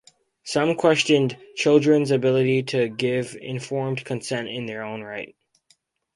Some questioned children's ability to give informed consent in their own right.